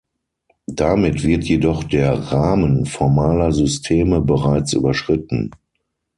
Damit wird jedoch der Rahmen formaler Systeme bereits überschritten.